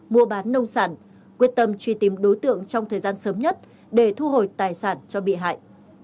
mua bán nông sản quyết tâm truy tìm đối tượng trong thời gian sớm nhất để thu hồi tài sản cho bị hại